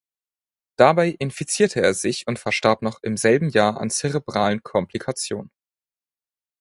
Dabei infizierte er sich und verstarb noch im selben Jahr an „zerebralen Komplikationen“.